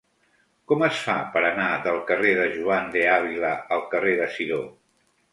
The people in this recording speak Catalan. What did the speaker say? Com es fa per anar del carrer de Juan de Ávila al carrer de Sidó?